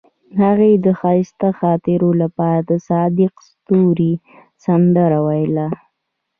هغې د ښایسته خاطرو لپاره د صادق ستوري سندره ویله.